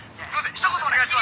ひと言お願いします！」。